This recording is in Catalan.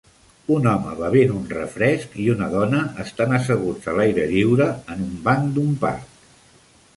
Un home bevent un refresc i una dona estan asseguts a l'aire lliure en un banc d'un parc.